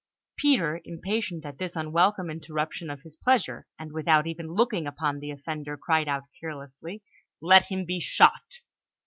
Peter, impatient at this unwelcome interruption of his pleasure, and without even looking upon the offender, cried out carelessly: "Let him be shot!"